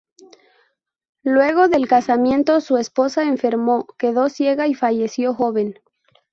Luego del casamiento su esposa enfermó, quedó ciega y falleció joven.